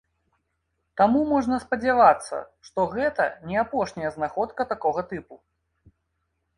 Таму можна спадзявацца, што гэта не апошняя знаходка такога тыпу.